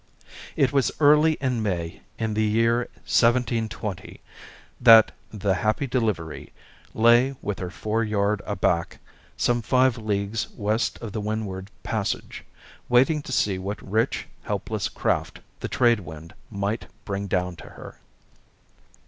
It was early in May, in the year 1720, that The Happy Delivery lay with her fore yard aback some five leagues west of the Windward Passage, waiting to see what rich, helpless craft the trade wind might bring down to her.